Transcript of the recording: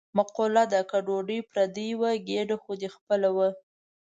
مقوله ده: که ډوډۍ پردۍ وه ګېډه خو دې خپله وه.